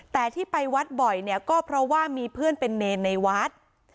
แต่ที่ไปวัดบ่อยเนี่ยก็เพราะว่ามีเพื่อนเป็นเนรในวัด